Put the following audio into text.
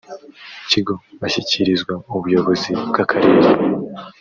kigo bashyikirizwa ubuyobozi bw akarere